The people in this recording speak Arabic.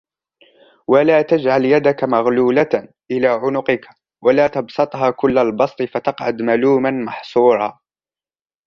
وَلَا تَجْعَلْ يَدَكَ مَغْلُولَةً إِلَى عُنُقِكَ وَلَا تَبْسُطْهَا كُلَّ الْبَسْطِ فَتَقْعُدَ مَلُومًا مَحْسُورًا